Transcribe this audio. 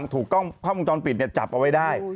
ถูกกล้องภาพมุงจรปิดจับเอาไว้ได้